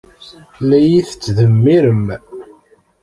La iyi-tettdemmirem.